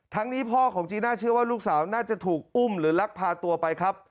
นี้พ่อของจีน่าเชื่อว่าลูกสาวน่าจะถูกอุ้มหรือลักพาตัวไปครับ